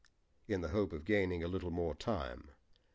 in the hope of gaining a little more time.